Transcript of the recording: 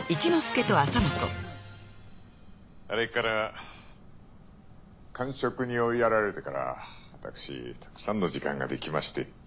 あれから閑職に追いやられてから私たくさんの時間ができまして。